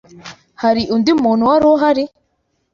Hari undi muntu wari uhari?